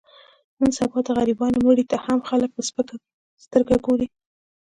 نن سبا د غریبانو مړي ته هم خلک په سپکه سترګه ګوري.